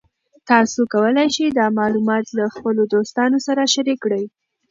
تاسو کولی شئ دا معلومات له خپلو دوستانو سره شریک کړئ.